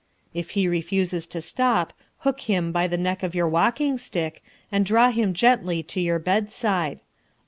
If he refuses to stop, hook him by the neck with your walking stick, and draw him gently to your bedside.